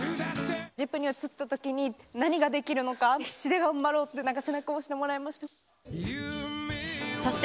ＺＩＰ！に移ったときに何ができるのか、必死で頑張ろうって、なんか、背中押してもらいました。